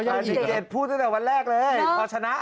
พี่เบิร์ดพูดตั้งแต่วันแรกเลย